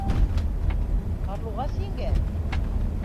- Ҡарлуғас еңгә!